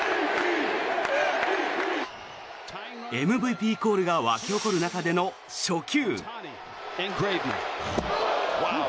ＭＶＰコールが沸き起こる中での初球。